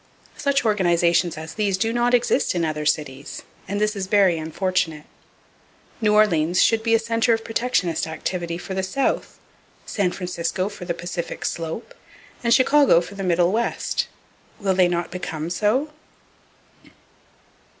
Such organizations as these do not exist in other cities; and this is very unfortunate. New Orleans should be a center of protectionist activity for the South, San Francisco for the Pacific slope, and Chicago for the Middle West. Will they not become so?